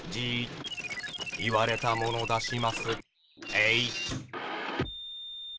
えい！